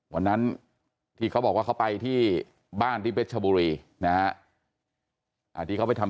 วันนั้นที่เขาบอกว่าเขาไปที่บ้านที่เพชรชบุรีนะฮะที่เขาไปทำ